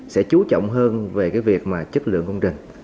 sẽ chú trọng hơn về cái việc mà chất lượng công trình